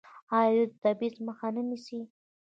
آیا دوی د تبعیض مخه نه نیسي؟